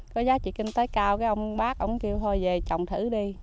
có giá trị kinh tế cao cái ông bác kêu thôi về trồng thử đi